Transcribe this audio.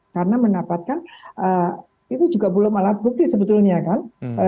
karena menapatkan itu juga belum alat bukti sebetulnya kan